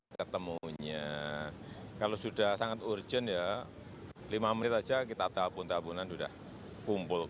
ketemunya kalau sudah sangat urgent ya lima menit saja kita tabun tabunan sudah kumpul